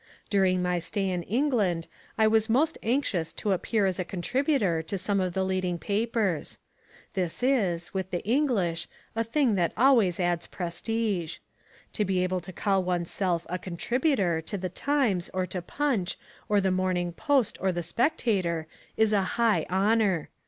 During my stay in England I was most anxious to appear as a contributor to some of the leading papers. This is, with the English, a thing that always adds prestige. To be able to call oneself a "contributor" to the Times or to Punch or the Morning Post or the Spectator, is a high honour.